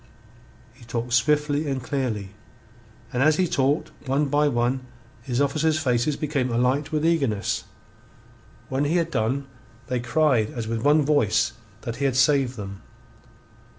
He talked swiftly and clearly, and as he talked one by one his officers' faces became alight with eagerness. When he had done, they cried as with one voice that he had saved them.